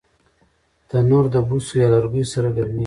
تنور د بوسو یا لرګیو سره ګرمېږي